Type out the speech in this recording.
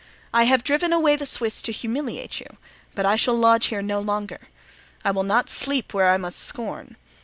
I have driven away the Swiss to humiliate you, but I shall lodge here no longer. I will not sleep where I must scorn.